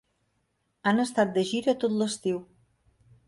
Han estat de gira tot l'estiu.